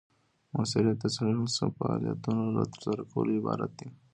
مؤثریت د صحیح فعالیتونو له ترسره کولو عبارت دی.